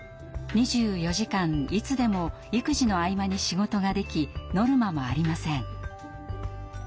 ２４時間いつでも育児の合間に仕事ができノルマもありません。